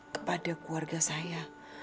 kepada keluarga saya